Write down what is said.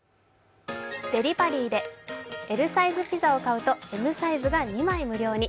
デリバリーでＬサイズピザを買うとＭサイズピザが無料に。